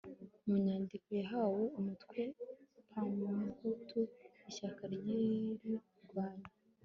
mu nyandiko yahawe umutwe parmehutu ishyaka ry'irirwanyi